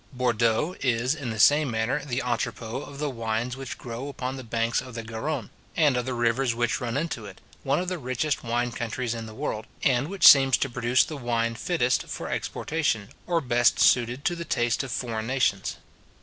Bourdeaux is, in the same manner, the entrepot of the wines which grow upon the banks of the Garronne, and of the rivers which run into it, one of the richest wine countries in the world, and which seems to produce the wine fittest for exportation, or best suited to the taste of foreign nations.